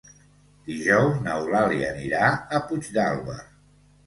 Dijous n'Eulàlia anirà a Puigdàlber.